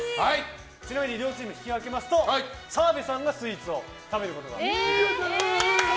ちなみに両チーム引き分けますと澤部さんがスイーツを食べることができます。